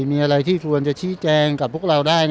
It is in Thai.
มีอะไรที่ควรจะชี้แจงกับพวกเราได้